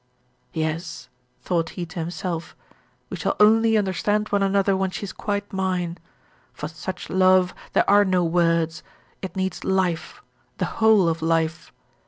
'Yes,' thought he to himself, 'we shall only understand one another when she is quite mine. For such love there are no words. It needs life the whole of life.